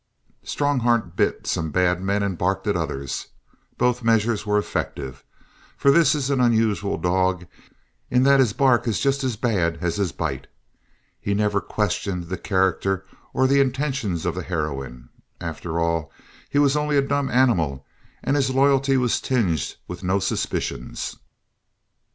Strongheart bit some bad men and barked at others. Both measures were effective, for this is an unusual dog in that his bark is just as bad as his bite. He never questioned the character or the intentions of the heroine. After all, he was only a dumb animal and his loyalty was tinged with no suspicions.